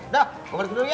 dah gue pergi dulu ya